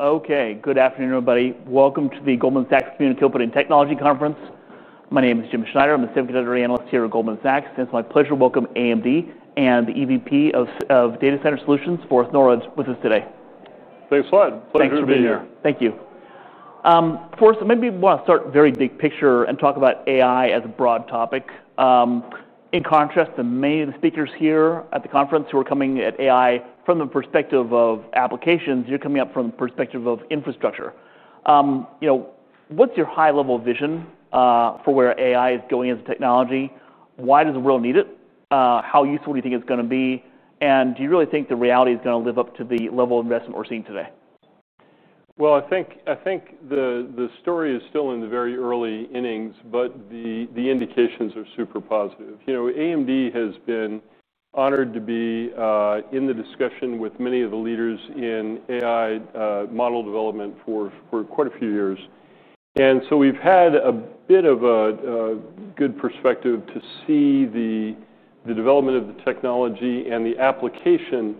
Okay, good afternoon, everybody. Welcome to the Goldman Sachs Community Telephone and Technology Conference. My name is Jim Schneider. I'm a Semiconductor Analyst here at Goldman Sachs, and it's my pleasure to welcome Advanced Micro Devices and the EVP of Data Center Solutions, Forrest Norrod, with us today. Thanks a lot. Thanks for being here. Thank you. First, maybe we want to start very big picture and talk about AI as a broad topic. In contrast to many of the speakers here at the conference who are coming at AI from the perspective of applications, you're coming up from the perspective of infrastructure. You know, what's your high-level vision for where AI is going as a technology? Why does the world need it? How useful do you think it's going to be? Do you really think the reality is going to live up to the level of investment we're seeing today? I think the story is still in the very early innings, but the indications are super positive. You know, Advanced Micro Devices has been honored to be in the discussion with many of the leaders in AI model development for quite a few years. We've had a bit of a good perspective to see the development of the technology and the application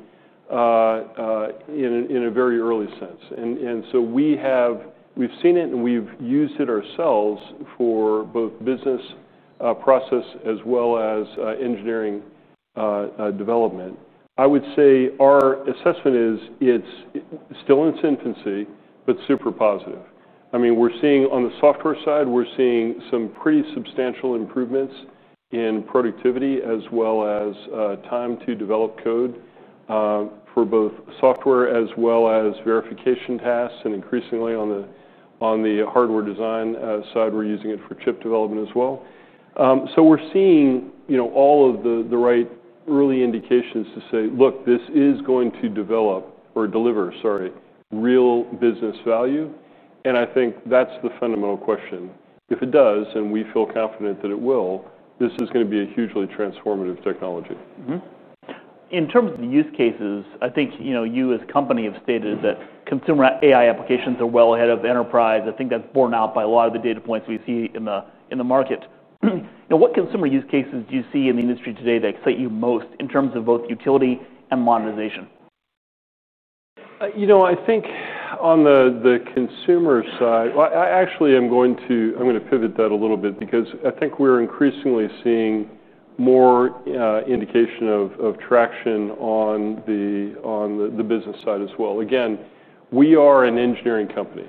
in a very early sense. We have seen it and we've used it ourselves for both business process as well as engineering development. I would say our assessment is it's still in its infancy, but super positive. I mean, we're seeing on the software side, we're seeing some pretty substantial improvements in productivity as well as time to develop code for both software as well as verification tasks. Increasingly, on the hardware design side, we're using it for chip development as well. We're seeing all of the right early indications to say, look, this is going to develop or deliver, sorry, real business value. I think that's the fundamental question. If it does, and we feel confident that it will, this is going to be a hugely transformative technology. In terms of the use cases, I think you as a company have stated that consumer AI applications are well ahead of the enterprise. I think that's borne out by a lot of the data points we see in the market. What consumer use cases do you see in the industry today that excite you most in terms of both utility and modernization? I think on the consumer side, I'm going to pivot that a little bit because I think we're increasingly seeing more indication of traction on the business side as well. We are an engineering company,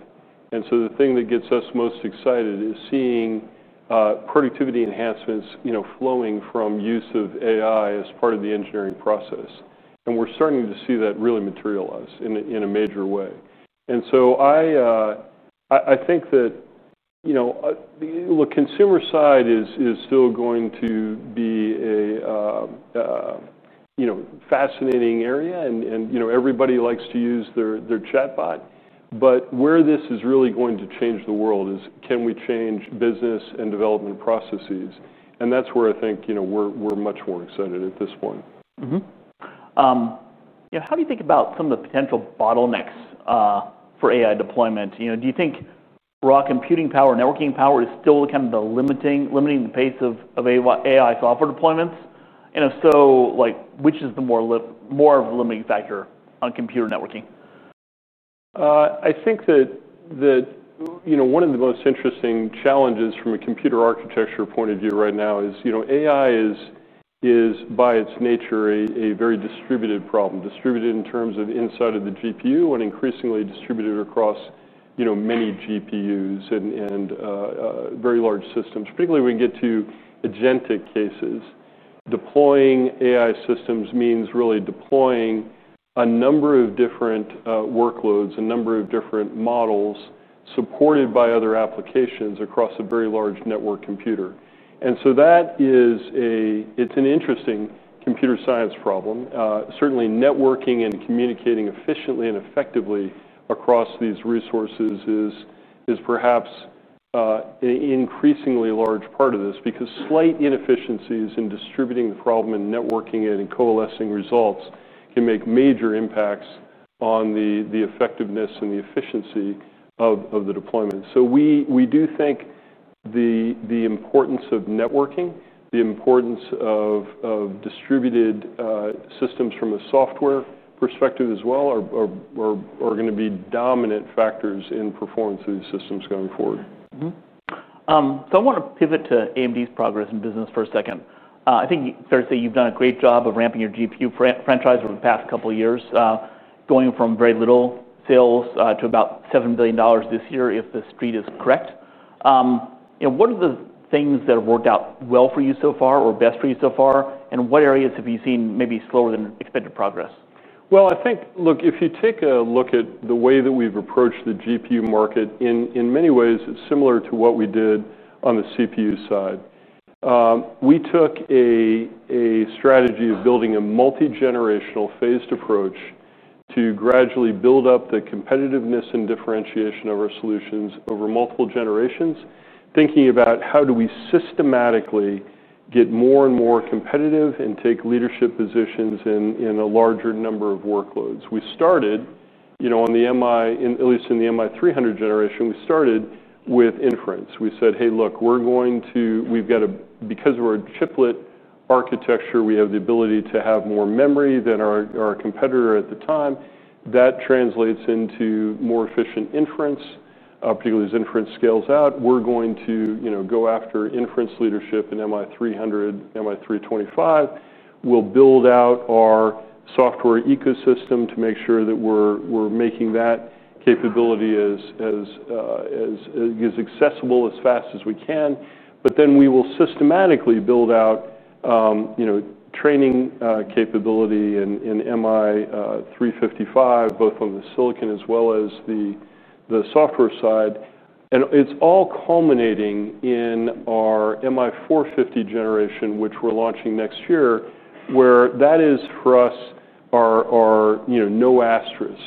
and the thing that gets us most excited is seeing productivity enhancements flowing from use of AI as part of the engineering process. We're starting to see that really materialize in a major way. I think that the consumer side is still going to be a fascinating area, and everybody likes to use their chatbot. Where this is really going to change the world is can we change business and development processes? That's where I think we're much more excited at this point. How do you think about some of the potential bottlenecks for AI deployment? Do you think raw computing power, networking power is still kind of limiting the pace of AI software deployments? If so, which is more of a limiting factor on compute or networking? I think that one of the most interesting challenges from a computer architecture point of view right now is, you know, AI is, by its nature, a very distributed problem, distributed in terms of inside of the GPU and increasingly distributed across many GPUs and very large systems, particularly when you get to agentic cases. Deploying AI systems means really deploying a number of different workloads, a number of different models supported by other applications across a very large network computer. That is an interesting computer science problem. Certainly, networking and communicating efficiently and effectively across these resources is perhaps an increasingly large part of this because slight inefficiencies in distributing the problem and networking it and coalescing results can make major impacts on the effectiveness and the efficiency of the deployment. We do think the importance of networking, the importance of distributed systems from a software perspective as well, are going to be dominant factors in performance of these systems going forward. I want to pivot to AMD's progress in business for a second. I think you've done a great job of ramping your GPU franchise over the past couple of years, going from very little sales to about $7 billion this year if the street is correct. What are the things that have worked out well for you so far or best for you so far? What areas have you seen maybe slower than expected progress? If you take a look at the way that we've approached the GPU market, in many ways, it's similar to what we did on the CPU side. We took a strategy of building a multigenerational phased approach to gradually build up the competitiveness and differentiation of our solutions over multiple generations, thinking about how do we systematically get more and more competitive and take leadership positions in a larger number of workloads. We started, you know, on the MI, at least in the MI300 generation, we started with inference. We said, hey, look, we're going to, we've got a, because we're a chiplet architecture, we have the ability to have more memory than our competitor at the time. That translates into more efficient inference, particularly as inference scales out. We're going to, you know, go after inference leadership in MI300, MI325. We'll build out our software ecosystem to make sure that we're making that capability as accessible as fast as we can. We will systematically build out, you know, training capability in MI355, both on the silicon as well as the software side. It's all culminating in our MI450 generation, which we're launching next year, where that is for us our, you know, no asterisk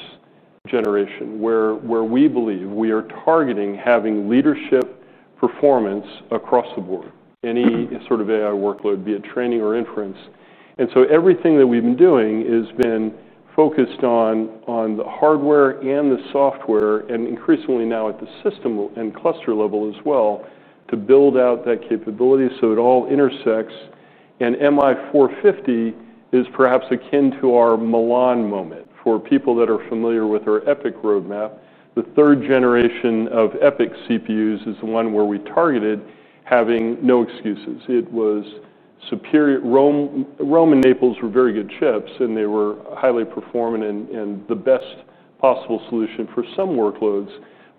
generation, where we believe we are targeting having leadership performance across the board, any sort of AI workload, be it training or inference. Everything that we've been doing has been focused on the hardware and the software, and increasingly now at the system and cluster level as well, to build out that capability so it all intersects. MI450 is perhaps akin to our Milan moment for people that are familiar with our EPYC roadmap. The third generation of EPYC CPUs is the one where we targeted having no excuses. It was superior. Rome and Naples were very good chips, and they were highly performant and the best possible solution for some workloads.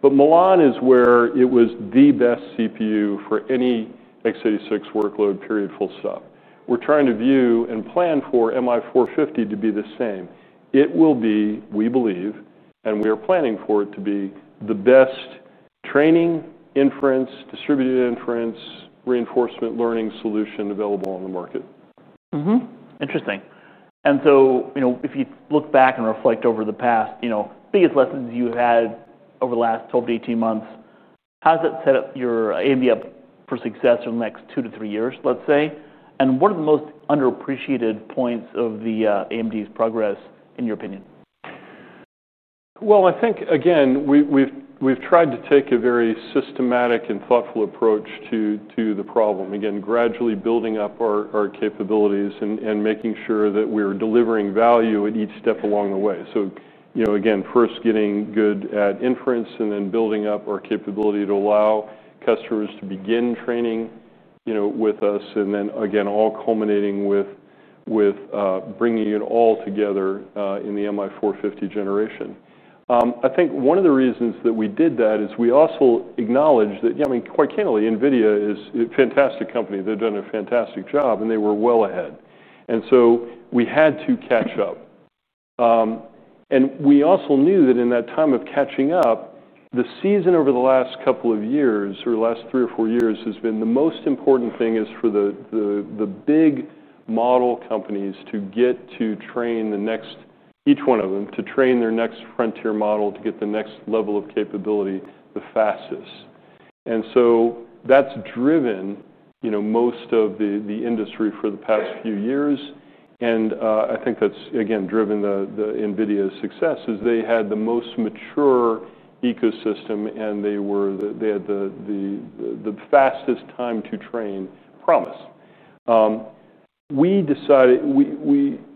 Milan is where it was the best CPU for any x86 workload, period, full stop. We're trying to view and plan for MI450 to be the same. It will be, we believe, and we are planning for it to be the best training, inference, distributed inference, reinforcement learning solution available on the market. Interesting. If you look back and reflect over the past, biggest lessons you had over the last 12 to 18 months, how does that set up AMD up for success over the next two to three years, let's say? What are the most underappreciated points of AMD's progress, in your opinion? I think, again, we've tried to take a very systematic and thoughtful approach to the problem, gradually building up our capabilities and making sure that we're delivering value at each step along the way. First getting good at inference and then building up our capability to allow customers to begin training with us, all culminating with bringing it all together in the MI450 generation. I think one of the reasons that we did that is we also acknowledged that, yeah, I mean, quite candidly, NVIDIA is a fantastic company. They've done a fantastic job, and they were well ahead. We had to catch up. We also knew that in that time of catching up, the season over the last couple of years, or the last three or four years, has been the most important thing for the big model companies to get to train the next, each one of them to train their next frontier model to get the next level of capability the fastest. That's driven most of the industry for the past few years. I think that's driven NVIDIA's success as they had the most mature ecosystem, and they had the fastest time to train promise. We decided,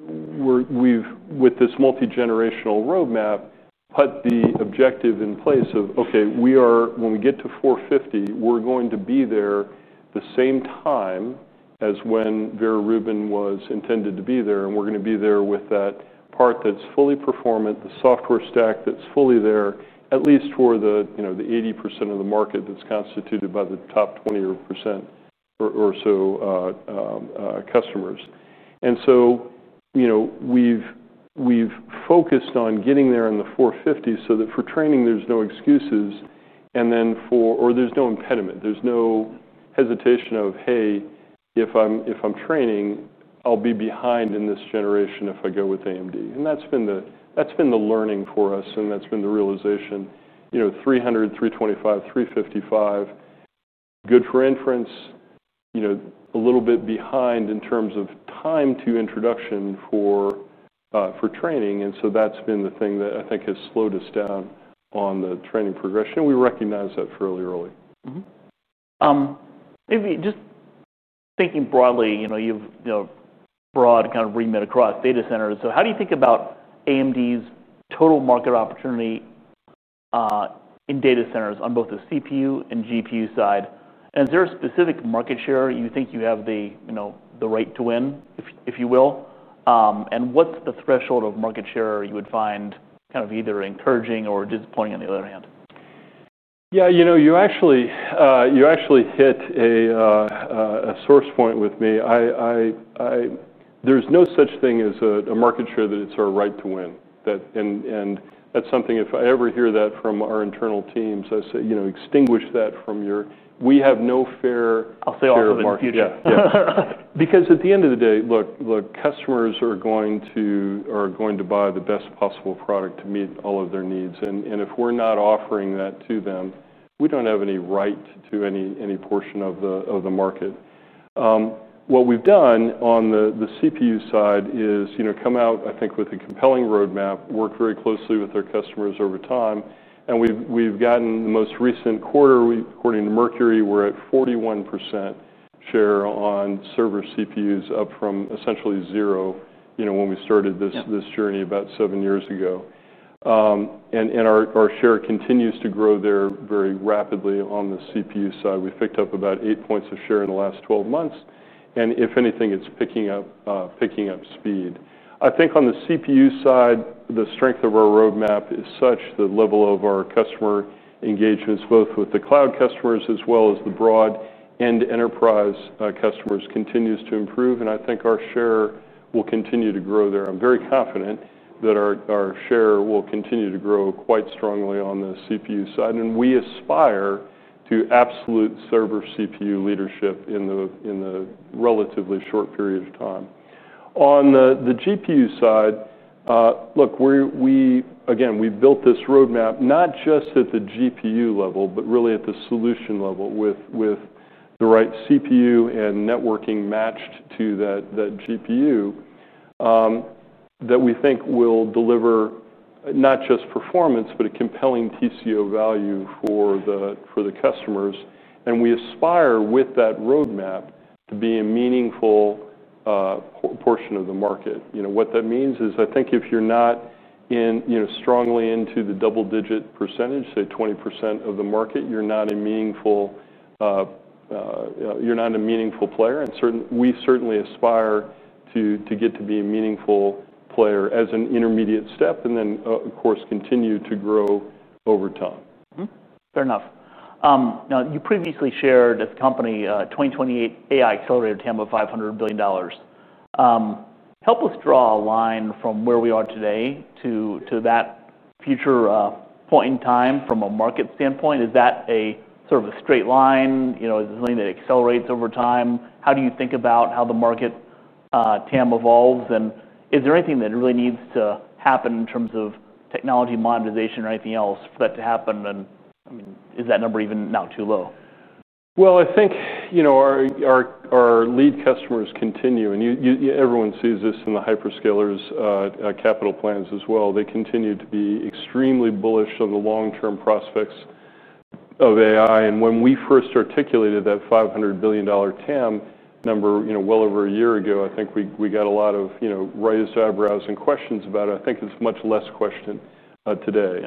with this multigenerational roadmap, to put the objective in place of, okay, when we get to 450, we're going to be there the same time as when Vera Rubin was intended to be there, and we're going to be there with that part that's fully performant, the software stack that's fully there, at least for the 80% of the market that's constituted by the top 20% or so customers. We've focused on getting there in the 450 so that for training, there's no excuses, and there's no impediment, there's no hesitation of, hey, if I'm training, I'll be behind in this generation if I go with AMD. That's been the learning for us, and that's been the realization. 300, 325, 355, good for inference, a little bit behind in terms of time to introduction for training. That's been the thing that I think has slowed us down on the training progression, and we recognize that fairly early. Maybe just thinking broadly, you know, you have broad kind of remit across data centers. How do you think about AMD's total market opportunity in data centers on both the CPU and GPU side? Is there a specific market share you think you have the right to win, if you will? What's the threshold of market share you would find kind of either encouraging or disappointing on the other hand? Yeah, you actually hit a source point with me. There's no such thing as a market share that it's our right to win. That's something if I ever hear that from our internal teams, I say, you know, extinguish that from your, we have no fair market share. I'll say all of them in the future. Yeah, because at the end of the day, look, customers are going to buy the best possible product to meet all of their needs. If we're not offering that to them, we don't have any right to any portion of the market. What we've done on the CPU side is come out, I think, with a compelling roadmap, worked very closely with our customers over time. We've gotten the most recent quarter, we, according to Mercury, we're at 41% share on server CPUs, up from essentially zero when we started this journey about seven years ago. Our share continues to grow there very rapidly on the CPU side. We've picked up about eight points of share in the last 12 months, and if anything, it's picking up speed. I think on the CPU side, the strength of our roadmap is such that the level of our customer engagements, both with the cloud customers as well as the broad end enterprise customers, continues to improve. I think our share will continue to grow there. I'm very confident that our share will continue to grow quite strongly on the CPU side. We aspire to absolute server CPU leadership in the relatively short period of time. On the GPU side, we built this roadmap not just at the GPU level, but really at the solution level with the right CPU and networking matched to that GPU that we think will deliver not just performance, but a compelling TCO value for the customers. We aspire with that roadmap to be a meaningful portion of the market. What that means is I think if you're not in strongly into the double-digit percentage, say 20% of the market, you're not a meaningful player. We certainly aspire to get to be a meaningful player as an intermediate step and then, of course, continue to grow over time. Fair enough. Now, you previously shared as a company, 2028 AI-accelerated TAM of $500 billion. Help us draw a line from where we are today to that future point in time from a market standpoint. Is that a sort of a straight line? Is it something that accelerates over time? How do you think about how the market TAM evolves? Is there anything that really needs to happen in terms of technology modernization or anything else for that to happen? I mean, is that number even now too low? I think our lead customers continue, and everyone sees this in the hyperscalers' capital plans as well. They continue to be extremely bullish on the long-term prospects of AI. When we first articulated that $500 billion TAM number well over a year ago, I think we got a lot of raised eyebrows and questions about it. I think it's much less questioned today.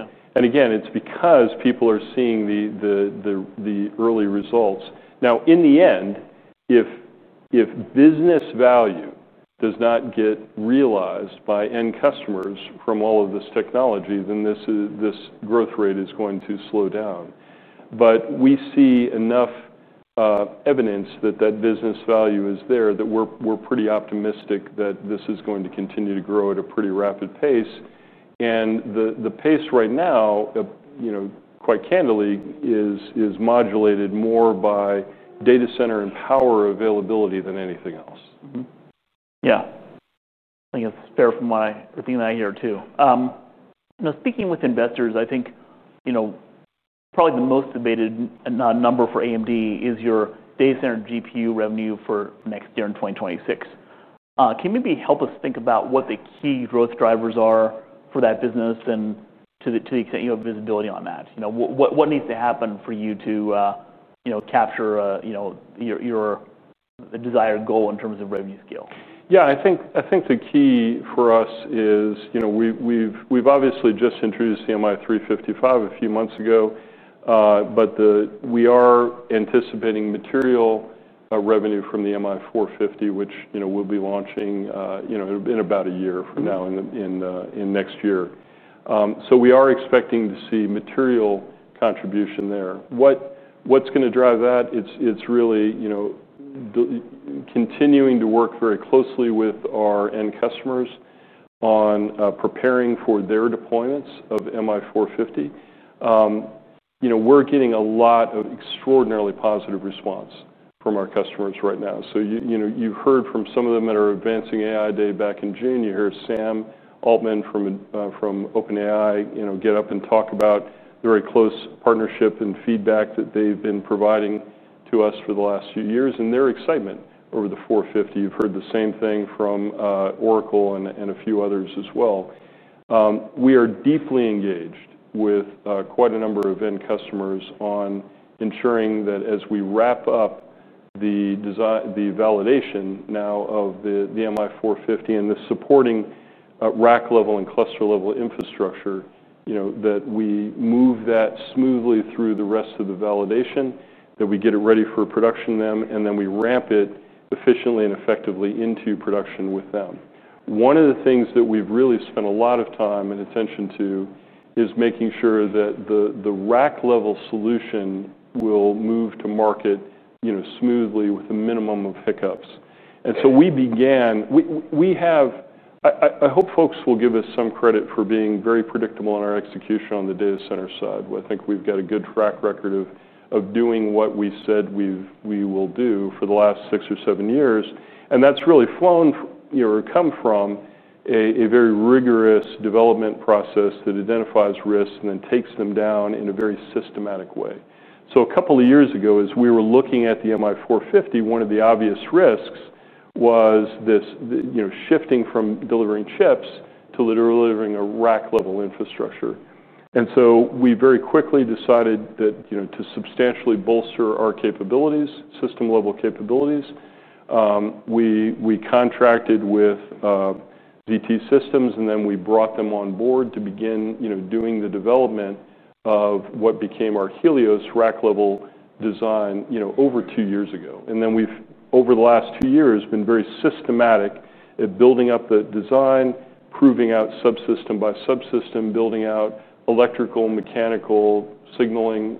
It's because people are seeing the early results. In the end, if business value does not get realized by end customers from all of this technology, then this growth rate is going to slow down. We see enough evidence that that business value is there that we're pretty optimistic that this is going to continue to grow at a pretty rapid pace. The pace right now, quite candidly, is modulated more by data center and power availability than anything else. Yeah, I think it's fair from what I hear too. Now, speaking with investors, I think probably the most debated number for Advanced Micro Devices is your data center GPU revenue for next year and 2026. Can you maybe help us think about what the key growth drivers are for that business and to the extent you have visibility on that? You know, what needs to happen for you to capture your desired goal in terms of revenue scale? I think the key for us is, you know, we've obviously just introduced the MI350 series a few months ago, but we are anticipating material revenue from the MI450, which we'll be launching in about a year from now, in next year. We are expecting to see material contribution there. What's going to drive that? It's really continuing to work very closely with our end customers on preparing for their deployments of MI450. We're getting a lot of extraordinarily positive response from our customers right now. You've heard from some of them at our Advancing AI Day back in June. You hear Sam Altman from OpenAI get up and talk about the very close partnership and feedback that they've been providing to us for the last few years and their excitement over the 450. You've heard the same thing from Oracle and a few others as well. We are deeply engaged with quite a number of end customers on ensuring that as we wrap up the design, the validation now of the MI450 and the supporting rack level and cluster level infrastructure, we move that smoothly through the rest of the validation, get it ready for production with them, and then we ramp it efficiently and effectively into production with them. One of the things that we've really spent a lot of time and attention to is making sure that the rack level solution will move to market smoothly with a minimum of hiccups. We have, I hope folks will give us some credit for being very predictable in our execution on the data center side. I think we've got a good track record of doing what we said we will do for the last six or seven years. That's really come from a very rigorous development process that identifies risks and then takes them down in a very systematic way. A couple of years ago, as we were looking at the MI450, one of the obvious risks was shifting from delivering chips to literally delivering a rack level infrastructure. We very quickly decided to substantially bolster our system level capabilities. We contracted with VT Systems, and then we brought them on board to begin doing the development of what became our Helios rack level design over two years ago. Over the last two years, we've been very systematic at building up the design, proving out subsystem by subsystem, building out electrical, mechanical signaling,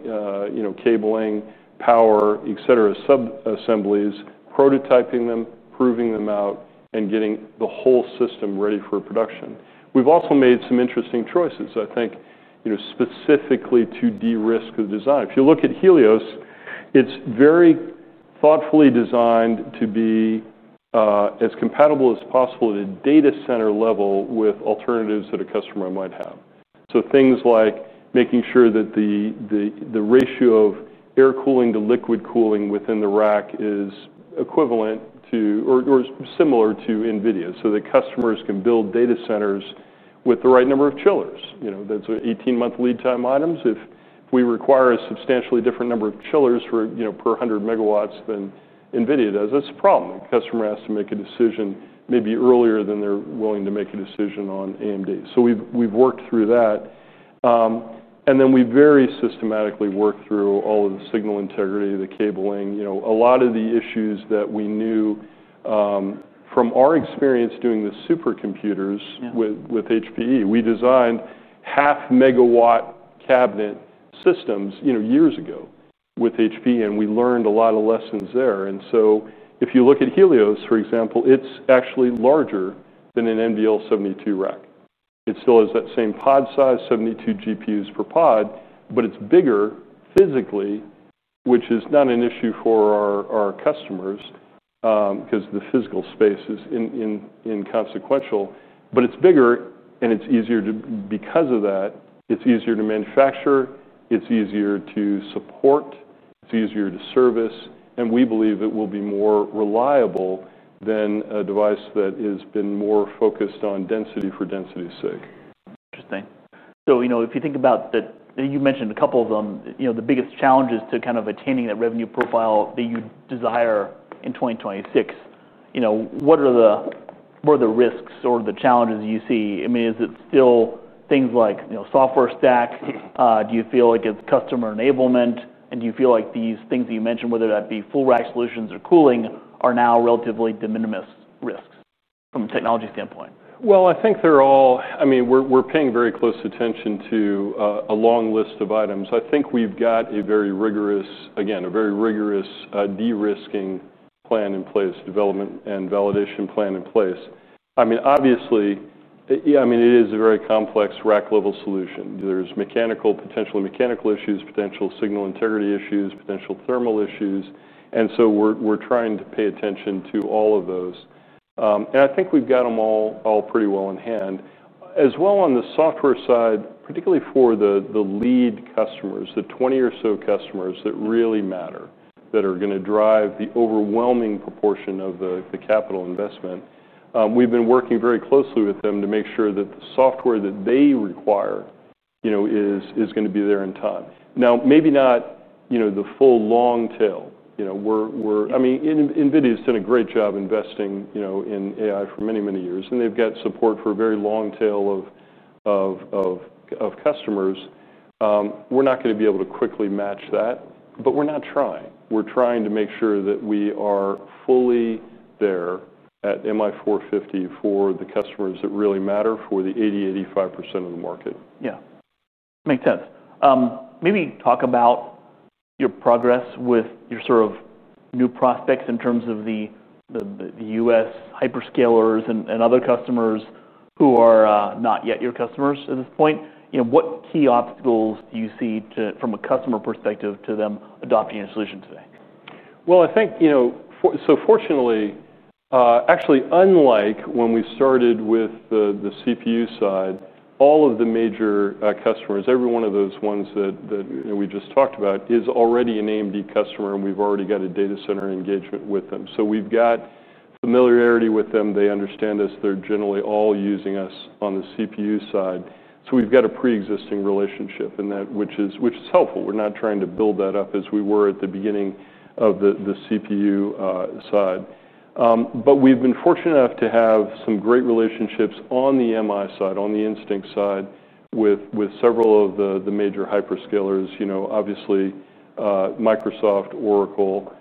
cabling, power, et cetera, subassemblies, prototyping them, proving them out, and getting the whole system ready for production. We've also made some interesting choices, I think, specifically to de-risk the design. If you look at Helios, it's very thoughtfully designed to be as compatible as possible at a data center level with alternatives that a customer might have. Things like making sure that the ratio of air cooling to liquid cooling within the rack is equivalent to or similar to NVIDIA, so the customers can build data centers with the right number of chillers. That's an 18-month lead time item. If we require a substantially different number of chillers per hundred megawatts than NVIDIA does, that's a problem. The customer has to make a decision maybe earlier than they're willing to make a decision on AMD. We've worked through that. We very systematically work through all of the signal integrity, the cabling, a lot of the issues that we knew from our experience doing the supercomputers with HPE. We designed half-megawatt cabinet systems years ago with HPE, and we learned a lot of lessons there. If you look at Helios, for example, it's actually larger than an NVL 72 rack. It still has that same pod size, 72 GPUs per pod, but it's bigger physically, which is not an issue for our customers, because the physical space is inconsequential. It's bigger, and because of that, it's easier to manufacture, it's easier to support, it's easier to service, and we believe it will be more reliable than a device that has been more focused on density for density's sake. Interesting. If you think about that, you mentioned a couple of them, the biggest challenges to kind of attaining that revenue profile that you desire in 2026, what are the risks or the challenges you see? Is it still things like software stack? Do you feel like it's customer enablement? Do you feel like these things that you mentioned, whether that be full rack solutions or cooling, are now relatively de minimis risks from a technology standpoint? I think they're all, I mean, we're paying very close attention to a long list of items. I think we've got a very rigorous, again, a very rigorous de-risking plan in place, development and validation plan in place. I mean, obviously, yeah, it is a very complex rack level solution. There's mechanical, potential mechanical issues, potential signal integrity issues, potential thermal issues. We're trying to pay attention to all of those. I think we've got them all pretty well in hand. As well, on the software side, particularly for the lead customers, the 20 or so customers that really matter, that are going to drive the overwhelming proportion of the capital investment, we've been working very closely with them to make sure that the software that they require is going to be there in time. Maybe not the full long tail. NVIDIA has done a great job investing in AI for many, many years, and they've got support for a very long tail of customers. We're not going to be able to quickly match that, but we're not trying. We're trying to make sure that we are fully there at MI450 for the customers that really matter for the 80, 85% of the market. Yeah, makes sense. Maybe talk about your progress with your sort of new prospects in terms of the U.S. hyperscalers and other customers who are not yet your customers at this point. You know, what key obstacles do you see, from a customer perspective, to them adopting a solution today? Fortunately, actually, unlike when we started with the CPU side, all of the major customers, every one of those ones that we just talked about is already an AMD customer, and we've already got a data center engagement with them. We've got familiarity with them. They understand us. They're generally all using us on the CPU side. We've got a preexisting relationship in that, which is helpful. We're not trying to build that up as we were at the beginning of the CPU side. We've been fortunate enough to have some great relationships on the MI side, on the Instinct side, with several of the major hyperscalers. Obviously, Microsoft, Oracle,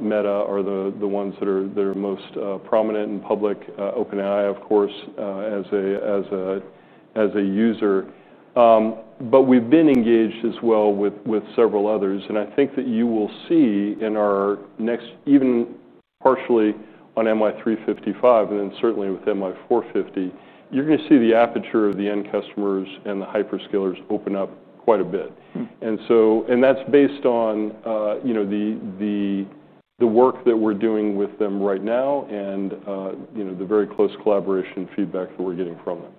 Meta are the ones that are most prominent and public. OpenAI, of course, as a user. We've been engaged as well with several others. I think that you will see in our next, even partially on MI355, and then certainly with MI450, you're going to see the aperture of the end customers and the hyperscalers open up quite a bit. That's based on the work that we're doing with them right now and the very close collaboration feedback that we're getting from them.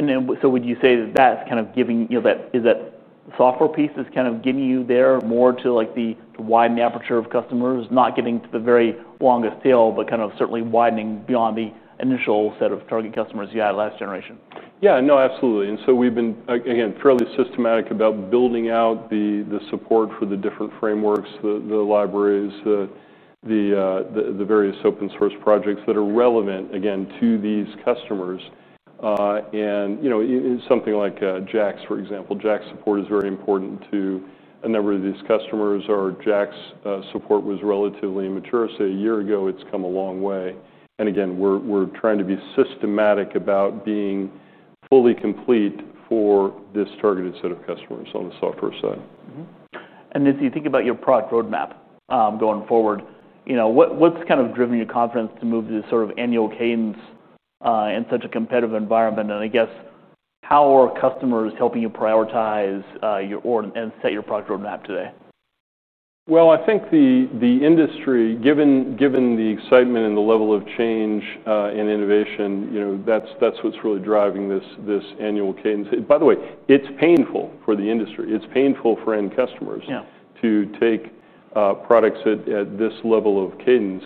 Would you say that that's kind of giving, you know, that, is that the software piece is kind of getting you there more to like the widening aperture of customers, not getting to the very longest tail, but certainly widening beyond the initial set of target customers you had last generation? Absolutely. We've been fairly systematic about building out the support for the different frameworks, the libraries, the various open source projects that are relevant to these customers. Something like JAX, for example, JAX support is very important to a number of these customers. Our JAX support was relatively immature a year ago; it's come a long way. We're trying to be systematic about being fully complete for this targeted set of customers on the software side. As you think about your product roadmap going forward, what's kind of driven your confidence to move this sort of annual cadence in such a competitive environment? I guess how are customers helping you prioritize and set your product roadmap today? I think the industry, given the excitement and the level of change and innovation, that's what's really driving this annual cadence. By the way, it's painful for the industry. It's painful for end customers to take products at this level of cadence.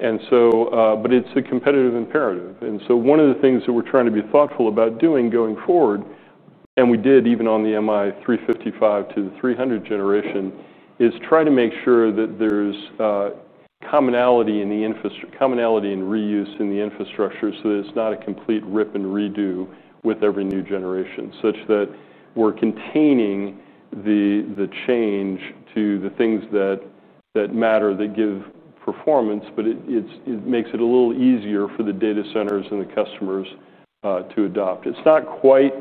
It's a competitive imperative. One of the things that we're trying to be thoughtful about doing going forward, and we did even on the MI300 to the 300 generation, is try to make sure that there's commonality in the infrastructure, commonality in reuse in the infrastructure so that it's not a complete rip and redo with every new generation, such that we're containing the change to the things that matter, that give performance, but it makes it a little easier for the data centers and the customers to adopt. It's not quite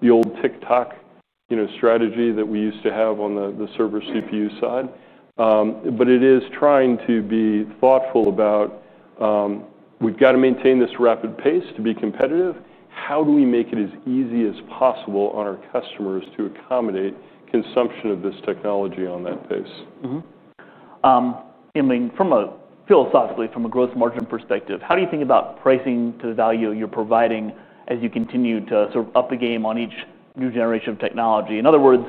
the old tick-tock strategy that we used to have on the server CPU side, but it is trying to be thoughtful about we've got to maintain this rapid pace to be competitive. How do we make it as easy as possible on our customers to accommodate consumption of this technology on that pace? I mean, philosophically, from a gross margin perspective, how do you think about pricing to the value you're providing as you continue to sort of up the game on each new generation of technology? In other words,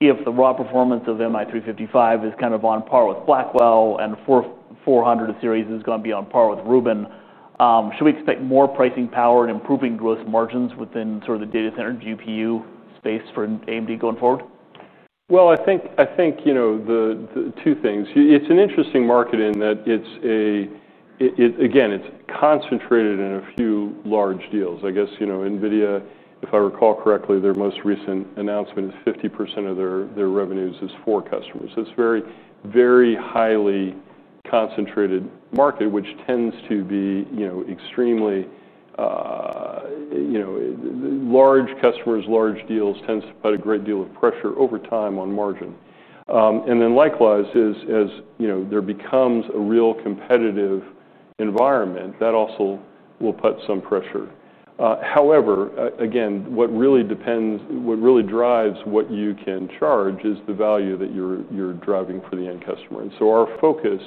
if the raw performance of MI350 is kind of on par with Blackwell and 400 series is going to be on par with Rubin, should we expect more pricing power and improving gross margins within sort of the data center GPU space for Advanced Micro Devices going forward? I think, you know, the two things. It's an interesting market in that it's concentrated in a few large deals. I guess, you know, NVIDIA, if I recall correctly, their most recent announcement is 50% of their revenues is for customers. It's a very, very highly concentrated market, which tends to be extremely large customers. Large deals tend to put a great deal of pressure over time on margin, and then likewise, as, you know, there becomes a real competitive environment, that also will put some pressure. However, again, what really depends, what really drives what you can charge is the value that you're driving for the end customer. Our focus,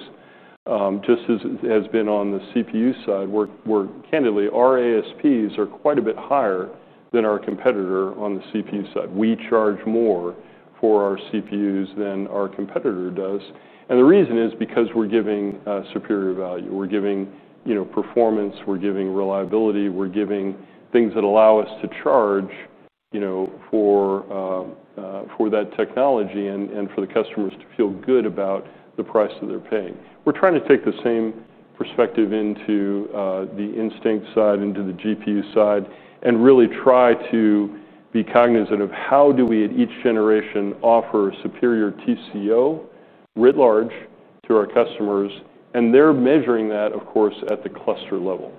just as it has been on the CPU side, we're, we're candidly, our ASPs are quite a bit higher than our competitor on the CPU side. We charge more for our CPUs than our competitor does, and the reason is because we're giving a superior value. We're giving performance, we're giving reliability, we're giving things that allow us to charge for that technology and for the customers to feel good about the price that they're paying. We're trying to take the same perspective into the Instinct side, into the GPU side, and really try to be cognizant of how do we at each generation offer a superior TCO writ large to our customers. They're measuring that, of course, at the cluster level.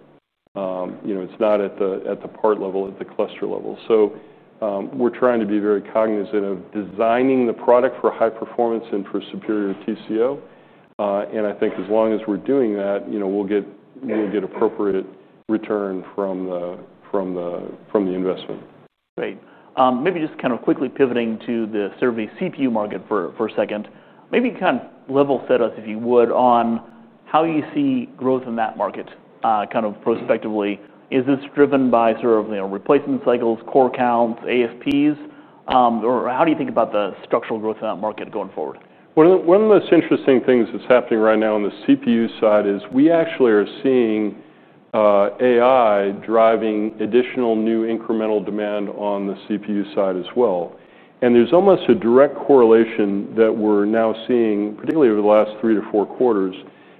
You know, it's not at the part level, at the cluster level. We're trying to be very cognizant of designing the product for high performance and for superior TCO, and I think as long as we're doing that, we'll get appropriate return from the investment. Great. Maybe just kind of quickly pivoting to the server CPU market for a second. Maybe you can kind of level set us, if you would, on how you see growth in that market, kind of prospectively. Is this driven by sort of, you know, replacement cycles, core counts, ASPs? Or how do you think about the structural growth in that market going forward? One of the most interesting things that's happening right now on the CPU side is we actually are seeing AI driving additional new incremental demand on the CPU side as well. There's almost a direct correlation that we're now seeing, particularly over the last three to four quarters,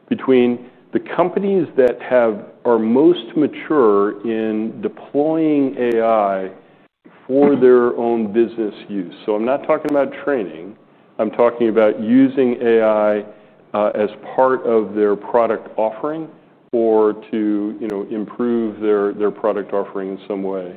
between the companies that are most mature in deploying AI for their own business use. I'm not talking about training. I'm talking about using AI as part of their product offering or to improve their product offering in some way.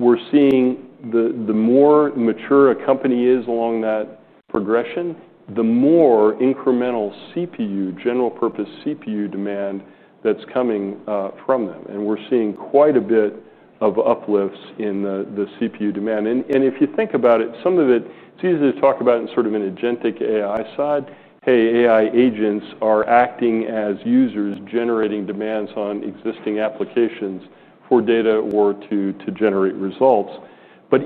We're seeing the more mature a company is along that progression, the more incremental CPU, general purpose CPU demand that's coming from them. We're seeing quite a bit of uplifts in the CPU demand. If you think about it, some of it, it's easy to talk about in sort of an agentic AI side. Hey, AI agents are acting as users generating demands on existing applications for data or to generate results.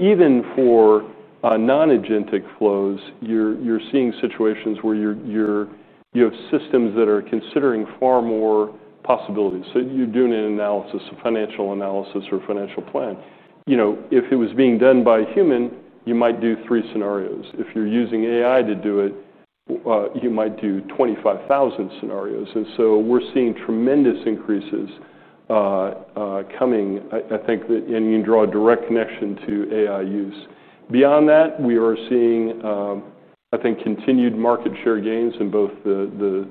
Even for non-agentic flows, you're seeing situations where you have systems that are considering far more possibilities. You're doing an analysis, a financial analysis or a financial plan. If it was being done by a human, you might do three scenarios. If you're using AI to do it, you might do 25,000 scenarios. We're seeing tremendous increases coming. I think that, and you can draw a direct connection to AI use. Beyond that, we are seeing continued market share gains in both the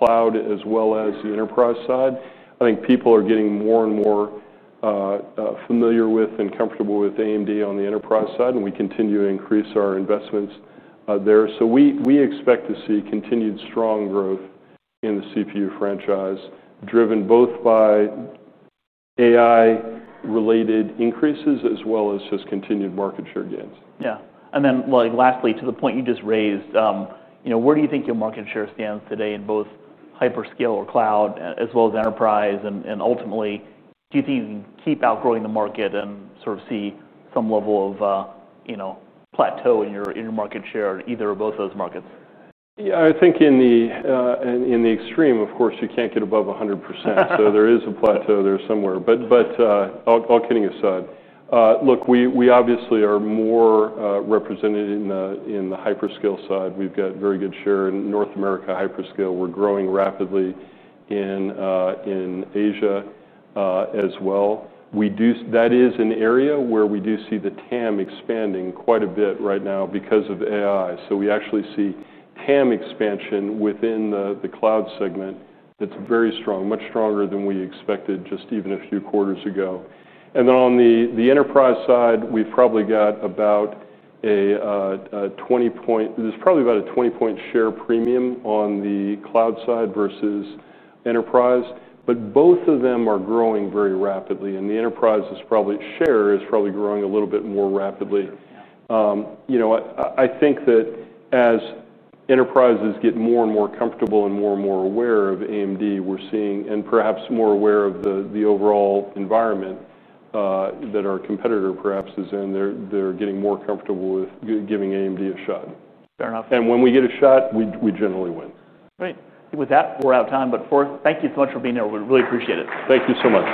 cloud as well as the enterprise side. I think people are getting more and more familiar with and comfortable with AMD on the enterprise side, and we continue to increase our investments there. We expect to see continued strong growth in the CPU franchise, driven both by AI-related increases as well as just continued market share gains. Yeah. Lastly, to the point you just raised, where do you think your market share stands today in both hyperscale or cloud, as well as enterprise? Ultimately, do you think you can keep outgrowing the market and sort of see some level of plateau in your market share in either or both of those markets? Yeah, I think in the, and in the extreme, of course, you can't get above 100%. There is a plateau there somewhere. All kidding aside, look, we obviously are more represented in the hyperscale side. We've got very good share in North America hyperscale. We're growing rapidly in Asia as well. That is an area where we do see the TAM expanding quite a bit right now because of AI. We actually see TAM expansion within the cloud segment that's very strong, much stronger than we expected just even a few quarters ago. On the enterprise side, we've probably got about a 20 point, there's probably about a 20 point share premium on the cloud side versus enterprise. Both of them are growing very rapidly, and the enterprise share is probably growing a little bit more rapidly. I think that as enterprises get more and more comfortable and more and more aware of AMD, we're seeing, and perhaps more aware of the overall environment that our competitor perhaps is in, they're getting more comfortable with giving AMD a shot. Fair enough. When we get a shot, we generally win. Great. With that, we're out of time, but thank you so much for being here. We really appreciate it. Thank you so much.